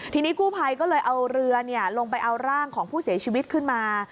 ทีนี้กู้ภัยก็เลยเอาเรือลงไปเอาร่างของผู้เสียชีวิตขึ้นมา